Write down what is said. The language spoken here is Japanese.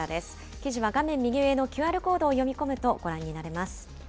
記事は画面右上のＱＲコードを読み込むと、ご覧になれます。